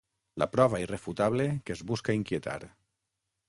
La prova irrefutable que es busca inquietar.